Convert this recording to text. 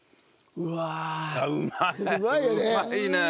うまいね！